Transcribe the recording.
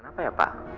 kenapa ya pak